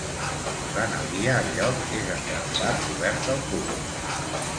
Durant el dia, el lloc és en gran part obert al públic.